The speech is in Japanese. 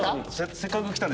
せっかく来たんで？